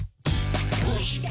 「どうして？